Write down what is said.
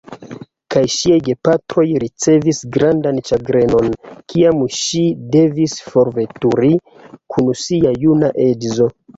Kaj ŝiaj gepatroj ricevis grandan ĉagrenon, kiam ŝi devis forveturi kun sia juna edzo.